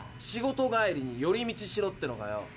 仕事帰りに寄り道しろってのかよ。